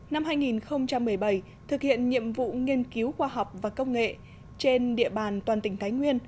năm hai nghìn một mươi bảy thực hiện nhiệm vụ nghiên cứu khoa học và công nghệ trên địa bàn toàn tỉnh thái nguyên